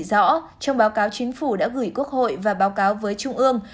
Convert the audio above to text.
rõ trong báo cáo chính phủ đã gửi quốc hội và báo cáo với trung ương